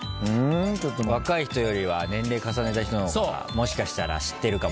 若い人よりは年齢重ねた人の方がもしかしたら知ってるかも。